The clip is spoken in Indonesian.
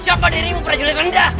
siapa dirimu prajurit rendah